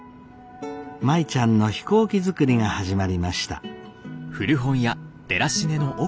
舞ちゃんの飛行機作りが始まりました。